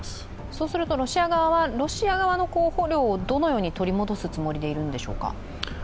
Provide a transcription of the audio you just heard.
そうするとロシア側は、ロシア側の捕虜をどのように取り戻すつもりでいるんでしょうか。